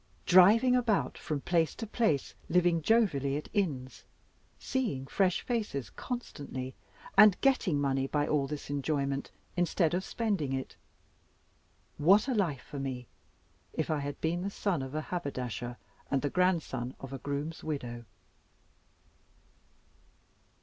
Driving about from place to place, living jovially at inns, seeing fresh faces constantly, and getting money by all this enjoyment, instead of spending it what a life for me, if I had been the son of a haberdasher and the grandson of a groom's widow!